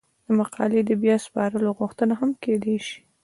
د مقالې د بیا سپارلو غوښتنه هم کیدای شي.